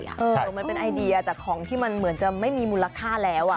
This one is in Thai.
มันเป็นไอเดียจากของที่มันเหมือนจะไม่มีมูลค่าแล้ว